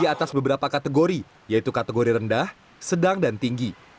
di atas beberapa kategori yaitu kategori rendah sedang dan tinggi